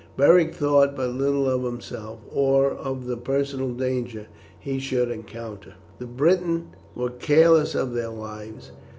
Beric thought but little of himself, or of the personal danger he should encounter. The Britons were careless of their lives.